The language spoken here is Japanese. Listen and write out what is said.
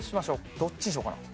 どっちにしようかな。